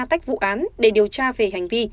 tách vụ án để điều tra về hành vi